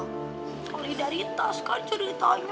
solidaritas kan ceritanya